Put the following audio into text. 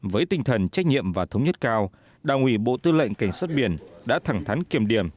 với tinh thần trách nhiệm và thống nhất cao đảng ủy bộ tư lệnh cảnh sát biển đã thẳng thắn kiềm điểm